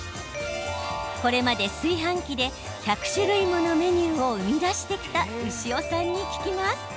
これまで炊飯器で１００種類ものメニューを生み出してきた牛尾さんに聞きます。